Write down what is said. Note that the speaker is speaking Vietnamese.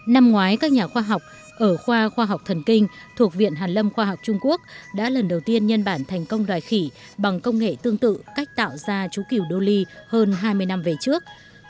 năm ngoái các nhà khoa học ở khoa khoa học thần kinh thuộc viện hàn lâm khoa học trung quốc đã lần đầu tiên nhân bản thành công loài khỉ bằng công nghệ tương tự cách tạo ra chú kiểu đô ly hơn hai mươi năm về trước